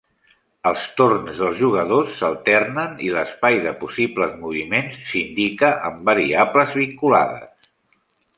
Els torns dels jugadors s'alternen i l'espai de possibles moviments s'indica amb variables vinculades.